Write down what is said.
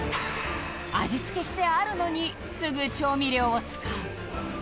味付けしてあるのにすぐ調味料を使う